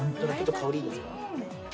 香りいいですか？